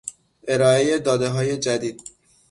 ارائهی دادههای جدید